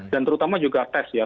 dan terutama juga test ya